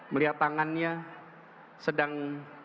melihat tangannya sedang